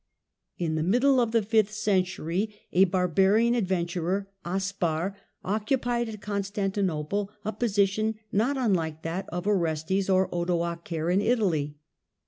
In the middle of the fifth century a barbarian ad venturer, Aspar, occupied at Constantinople a position not unlike that of Orestes or Odoacer in Italy.